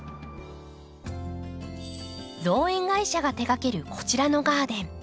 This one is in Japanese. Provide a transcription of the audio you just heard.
造園会社が手がけるこちらのガーデン。